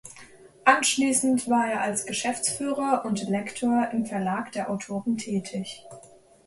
Anschließend war er als Geschäftsführer und Lektor im Verlag der Autoren tätig.